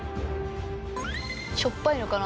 しょっぱいのかな？